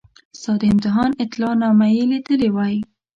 ستا د امتحان اطلاع نامه یې لیدلې وای.